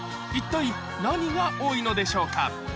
一体何が多いのでしょうか？